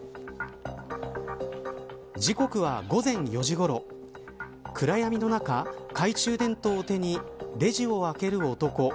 時刻は午前４時ごろ暗闇の中懐中電灯を手にレジを開ける男。